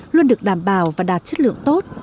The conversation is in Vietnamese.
luôn được đảm bảo và đạt chất lượng tốt